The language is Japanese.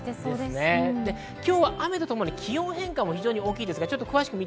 今日は雨とともに気温の変化も非常に大きいです。